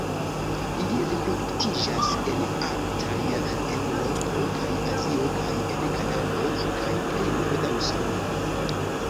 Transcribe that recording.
Ili reproduktiĝas en Arktaj Eŭropo kaj Azio kaj en Kanado kaj plej norda Usono.